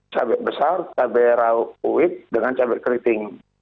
cabai besar cabai rawit uib dengan cabai keriting